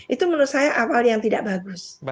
itu menurut saya awal yang tidak bagus